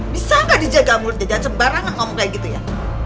bisa gak dijaga mulut jejak sembarangan ngomong kayak gitu ya